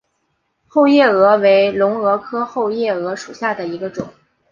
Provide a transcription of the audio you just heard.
后夜蛾为隆蛾科后夜蛾属下的一个种。